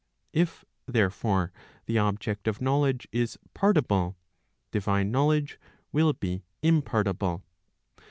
If, therefore, the object of knowledge is partible, divine knowledge will be impartible.